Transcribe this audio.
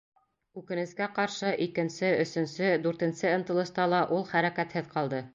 Үкенескә ҡаршы, икенсе, өсөнсө, дүртенсе ынтылышта ла ул хәрәкәтһеҙ ҡалды.